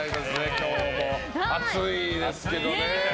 今日も暑いですけどね。